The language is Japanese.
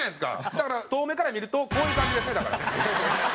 だから遠目から見るとこういう感じですねだから。